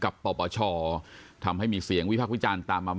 ปปชทำให้มีเสียงวิพากษ์วิจารณ์ตามมา